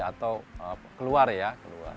atau keluar ya keluar